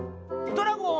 「ドラゴン？